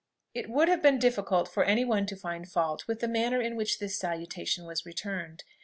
It would have been difficult for any one to find fault with the manner in which this salutation was returned.